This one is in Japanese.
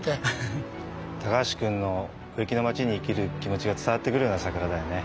高橋くんの植木の町に生きる気持ちが伝わってくるような桜だよね。